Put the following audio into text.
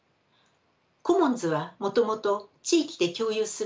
コモンズはもともと地域で共有する資産